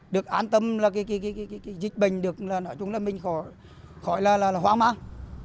được an tâm dịch bệnh được mình khỏi hoang mang